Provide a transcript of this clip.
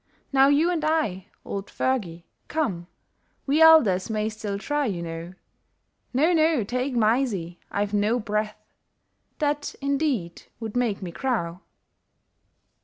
Now you and I, old Fergie, come, We elders may still try, you know, No, no ! take Mysie, I've no breath, That indeed would make me crow